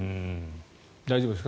大丈夫ですか？